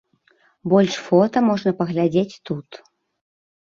Больш фота можна паглядзець тут.